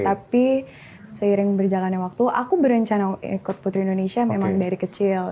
tapi seiring berjalannya waktu aku berencana ikut putri indonesia memang dari kecil